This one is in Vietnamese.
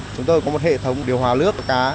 chúng tôi có một hệ thống điều hòa lướt cá